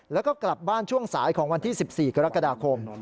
แล้วก็กลับบ้านช่วงสายของวันที่๑๔กรกฎาคม